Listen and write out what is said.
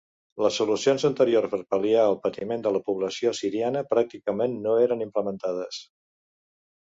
Les resolucions anteriors per pal·liar el patiment de la població siriana pràcticament no eren implementades.